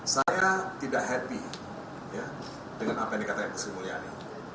saya tidak happy dengan apa yang dikatakan bu sri mulyani